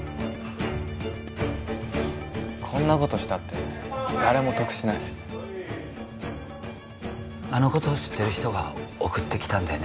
こんなことしたって誰も得しないあのこと知ってる人が送ってきたんだよね